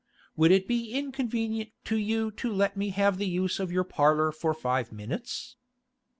Would it be inconvenient to you to let me have the use of your parlour for five minutes?